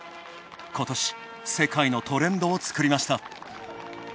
ことし、世界のトレンドを作りました。